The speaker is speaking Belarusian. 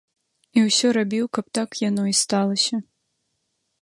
І ўсё рабіў, каб так яно і сталася.